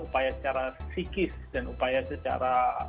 upaya secara psikis dan upaya secara